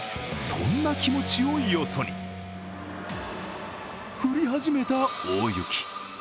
そんな気持ちをよそに降り始めた大雪。